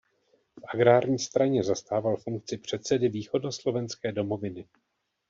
V agrární straně zastával funkci předsedy východoslovenské Domoviny.